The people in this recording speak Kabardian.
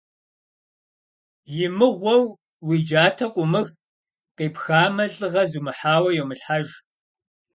И мыгъуэу уи джатэ къыумых, къипхамэ, лӀыгъэ зумыхьауэ йомылъхьэж.